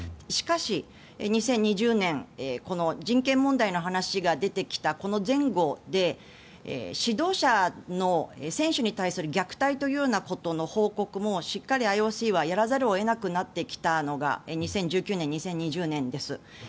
しかし、２０２０年この人権問題の話が出てきたこの前後で指導者の選手に対する虐待というような報告もしっかりＩＯＣはやらざるを得なくなってきたのが２０１９年、２０２０年です。